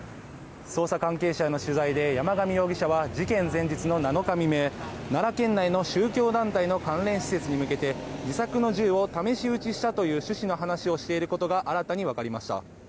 捜査関係者への取材で山上容疑者は事件前日の７日未明奈良県内の宗教団体の関連施設に向けて自作の銃を試し撃ちしたという趣旨の話をしていることが新たにわかりました。